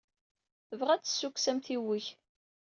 Tebɣa ad d-tessukkes amtiweg.